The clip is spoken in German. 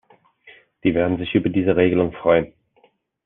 Die werden sich über diese Regelung freuen.